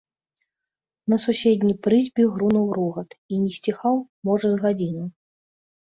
На суседняй прызбе грунуў рогат і не сціхаў, можа, з гадзіну.